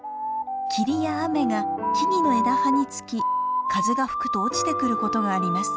霧や雨が木々の枝葉につき風が吹くと落ちてくることがあります。